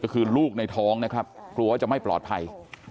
ก็คือลูกในท้องนะครับกลัวว่าจะไม่ปลอดภัย